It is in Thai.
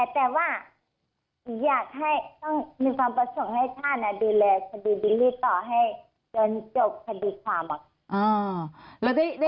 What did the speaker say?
แต่ว่าหนูอยากให้ต้องมีความประสงค์ให้ท่านดูแลคดีบิลลี่ต่อให้จนจบคดีความ